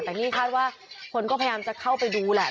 แต่นี่คาดว่าคนก็พยายามจะเข้าไปดูแหละ